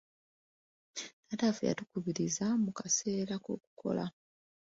Taata waffe yatukubiriza mu kaseera k'okukola.